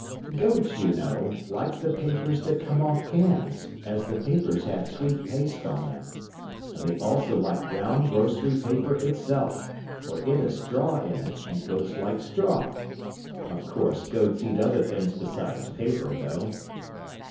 Goats, you know, like the papers that come off cans, as the papers have sweet paste on them. And they also like brown grocery paper itself, for it has straw in it, and goats like straw. Of course, goats eat other things besides paper, though.